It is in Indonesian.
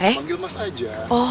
panggil mas aja